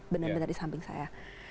benar benar di samping saya